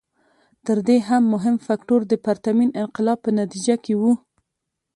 تر دې هم مهم فکټور د پرتمین انقلاب په نتیجه کې و.